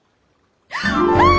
あっ！